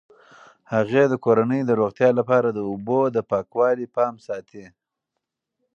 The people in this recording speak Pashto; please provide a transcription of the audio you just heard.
هغې د کورنۍ د روغتیا لپاره د اوبو د پاکوالي پام ساتي.